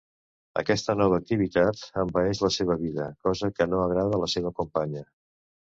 Aquesta nova activitat envaeix la seva vida, cosa que no agrada a la seva companya.